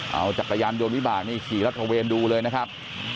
เอาจักรยานยนต์วิบากนี่ขี่รัฐเวนดูเลยนะครับ